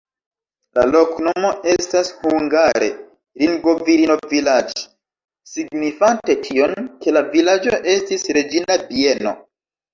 La loknomo estas hungare: ringo-virino-vilaĝ', signifante tion, ke la vilaĝo estis reĝina bieno.